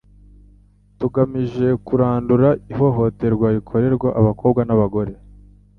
tugamije kurandura ihohoterwa rikorerwa abakobwa n'abagore.